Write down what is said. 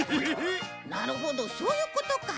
なるほどそういうことか。